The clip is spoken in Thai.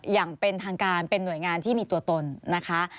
อย่างเป็นทางการเป็นหน่วยงานที่มีตัวตนนะคะ